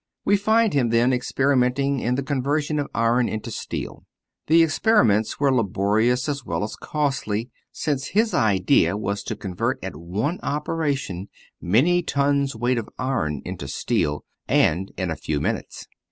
We find him then experimenting in the conversion of iron into steel. The experiments were laborious as well as costly, since his idea was to convert at one operation many tons' weight of iron into steel, and in a few minutes.